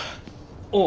ああ。